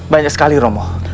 sepuluh banyak sekali romo